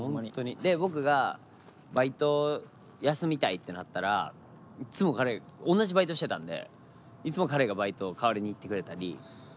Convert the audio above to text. で僕がバイトを休みたいってなったら同じバイトしてたんでいつも彼がバイトを代わりに行ってくれたり。